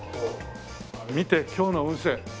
見て今日の運勢。